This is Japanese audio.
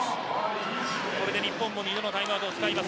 日本も２度のタイムアウトを使います。